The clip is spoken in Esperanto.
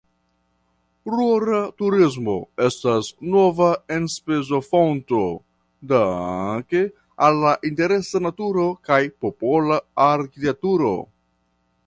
Rura turismo estas nova enspezofonto danke al la interesa naturo kaj popola arkitekturo.